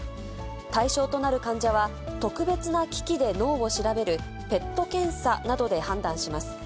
対象となる患者は、特別な機器で脳を調べるＰＥＴ検査などで判断します。